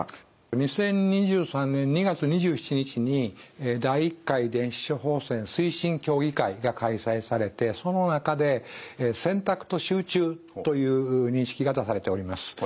２０２３年２月２７日に第１回電子処方箋推進協議会が開催されてその中で選択と集中という認識が出されております。